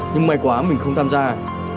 nhưng may quá mình không tham gia